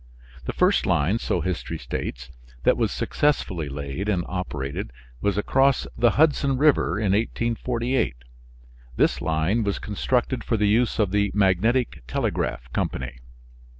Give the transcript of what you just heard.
The first line, so history states, that was successfully laid and operated was across the Hudson River in 1848. This line was constructed for the use of the Magnetic Telegraph Company.